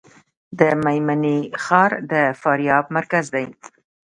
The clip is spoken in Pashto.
د میمنې ښار د فاریاب مرکز دی